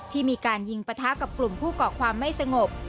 ที่มีการยิงปะทะกับกลุ่มผู้เกาะความไม่สงบ